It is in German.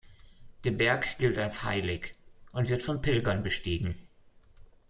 Der Berg gilt als heilig und wird von Pilgern bestiegen.